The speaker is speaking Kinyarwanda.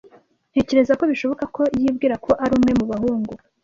Ntekereza ko bishoboka ko yibwira ko ari umwe mu bahungu.